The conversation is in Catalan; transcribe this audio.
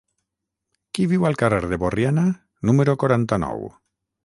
Qui viu al carrer de Borriana número quaranta-nou?